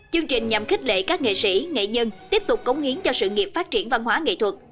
chương trình nhằm khích lệ các nghệ sĩ nghệ nhân tiếp tục cống hiến cho sự nghiệp phát triển văn hóa nghệ thuật